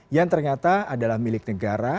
yang ternyata adalah milik negara